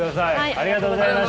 ありがとうございます。